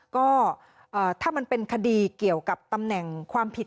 ก็ถ้ามันเป็นคดีเกี่ยวกับตำแหน่งความผิด